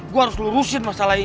gue harus lurusin masalah ini